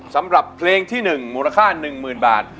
สำหรับเพลงที่หนึ่งมูลค่าหนึ่งหมื่นบาท